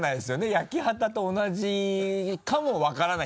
焼き畑と同じかも分からない。